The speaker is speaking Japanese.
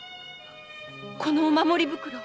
このお守り袋は？